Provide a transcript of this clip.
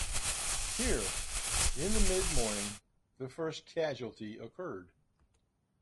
Here, in the midmorning, the first casualty occurred.